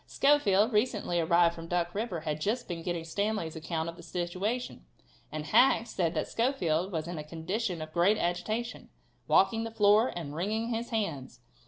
Schofield, recently arrived from Duck river, had just been getting Stanley's account of the situation, and Hack said that Schofield was in a condition of great agitation, "walking the floor and wringing his hands."